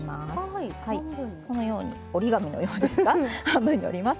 このように折り紙のようですが半分に折ります。